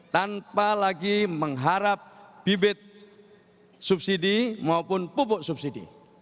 tanpa lagi mengharap bibit subsidi maupun pupuk subsidi